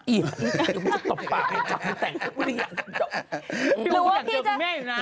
อี๋อย่าตบปากให้จับแต่งพี่อุ๊บวิริยะน่ะ